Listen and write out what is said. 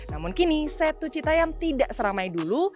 namun kini setu citayam tidak seramai dulu